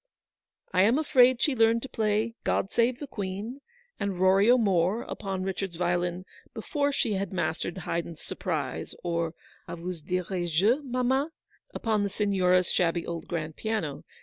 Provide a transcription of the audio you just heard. I am afraid she had learned to play "God save the Queen," and " Rory CTMore," upon Eichard's violin before she had mastered Haydn's "Surprise," or "Ah, vous dirai je, Maman?" upon the Signora's shabby old grand piano.